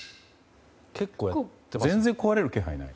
全然壊れる気配がない。